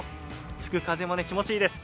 吹く風も気持ちいいです。